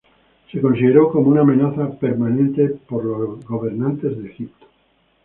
Se consideró como una amenaza permanente por los gobernantes de Egipto.